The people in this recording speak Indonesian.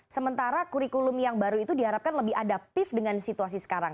sementara kurikulum yang baru itu diharapkan lebih adaptif dengan situasi sekarang